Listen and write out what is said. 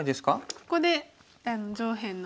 ここで上辺の。